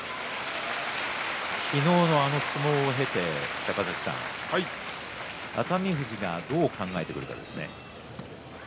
昨日の、あの相撲を経て熱海富士がどう考えてくるかですね。